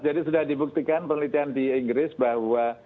jadi sudah dibuktikan penelitian di inggris bahwa